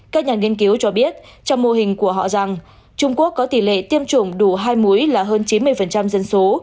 các nhà nghiên cứu cho biết trong mô hình của họ rằng trung quốc có tỷ lệ tiêm chủng đủ hai muối là hơn chín mươi dân số